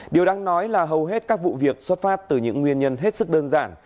điều đáng nói là hầu hết các vụ việc xuất phát từ những nguyên nhân hết sức đơn giản